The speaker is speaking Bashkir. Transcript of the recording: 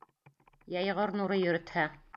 Йәйғор нуры йөрөтһә.